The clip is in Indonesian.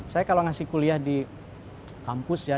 saya kalau ngasih kuliah di kampus ya